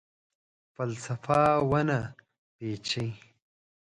فلسفه ونه پیچي